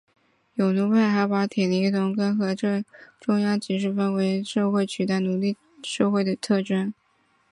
有奴派还把铁犁牛耕和中央集权视为封建社会取代奴隶社会的特征。